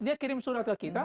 dia kirim surat ke kita